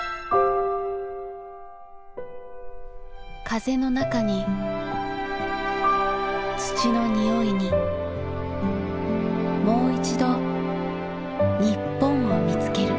風の中に土の匂いにもういちど日本を見つける。